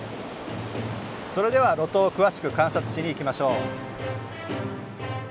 それでは露頭を詳しく観察しに行きましょう。